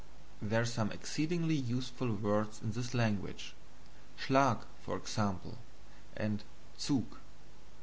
There are some exceedingly useful words in this language. SCHLAG, for example; and ZUG.